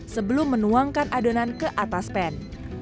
sebelum menuangkan adonan ke atas pan